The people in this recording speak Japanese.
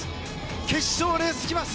決勝レースが来ます！